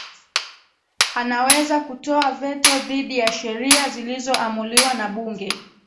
anaweza kutoa veto dhidi ya sheria zilizoamuliwa na bunge